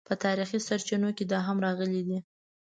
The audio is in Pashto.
په تاریخي سرچینو کې دا هم راغلي دي.